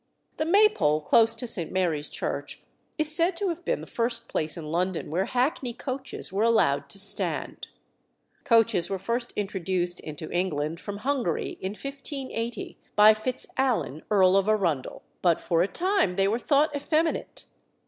The Maypole close to St. Mary's Church is said to have been the first place in London where hackney coaches were allowed to stand. Coaches were first introduced into England from Hungary in 1580 by Fitzalan, Earl of Arundel; but for a time they were thought effeminate.